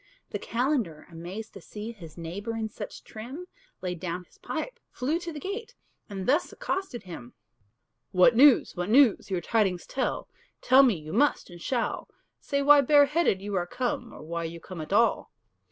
The calender, amazed to see His neighbour in such trim, Laid down his pipe, flew to the gate, And thus accosted him: "What news? what news? your tidings tell; Tell me you must and shall Say why bareheaded you are come, Or why you come at all?"